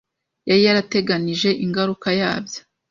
Yari yarateganije ingaruka yabyo